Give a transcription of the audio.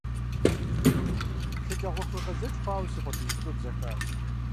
ШэджагъуэхуегъэзэкӀ хъуауэ си къуэшыжь цӀыкӀур бзэхащ.